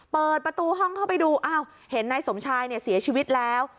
เปิดประตูห้องเข้าไปดูอ้าวเห็นนายสมชายเนี่ยเสียชีวิตแล้ว